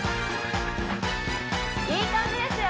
いい感じですよ